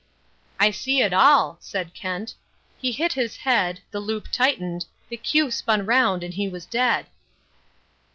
"I see it all!" said Kent. "He hit his head, the loop tightened, the cue spun round and he was dead."